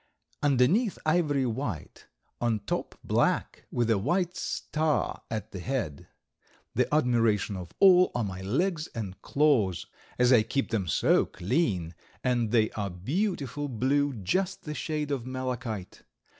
Underneath ivory white, on top black, with a white star at the head. The admiration of all are my legs and claws, as I keep them so clean, and they are a beautiful blue, just the shade of malachite.